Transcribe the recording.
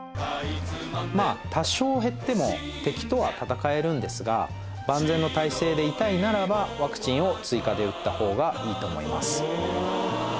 まあ多少減っても敵とは戦えるんですが万全の態勢でいたいならばワクチンを追加で打った方がいいと思います